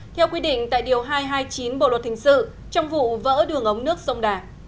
theo quy định tại điều hai trăm hai mươi chín bộ luật hình sự trong vụ vỡ đường ống nước sông đà